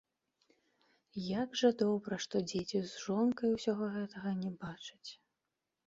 Як жа добра, што дзеці з жонкай усяго гэтага не бачаць.